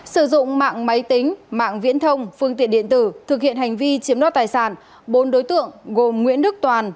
sử dụng mạng máy tính mạng viễn thông phương tiện điện tử thực hiện hành vi chiếm đoạt tài sản bốn đối tượng gồm nguyễn đức toàn